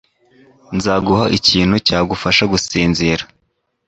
Nzaguha ikintu cyagufasha gusinzira.